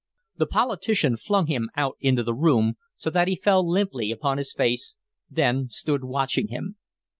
The politician flung him out into the room so that he fell limply upon his face, then stood watching him.